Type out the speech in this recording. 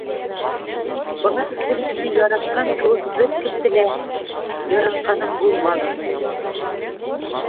Быға тиклем һине яратҡан кеүек бер кемде лә яратҡаным... булманы.